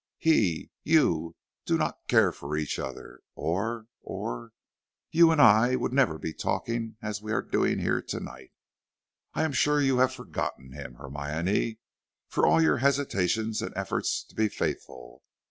"He you do not care for each other, or or you and I would never be talking as we are doing here to night. I am sure you have forgotten him, Hermione, for all your hesitations and efforts to be faithful.